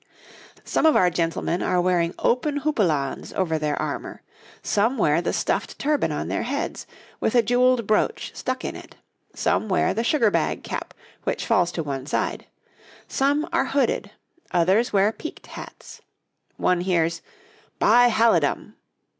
Some of our gentlemen are wearing open houppelandes over their armour; some wear the stuffed turban on their heads, with a jewelled brooch stuck in it; some wear the sugar bag cap, which falls to one side; some are hooded, others wear peaked hats. One hears, 'By halidom!'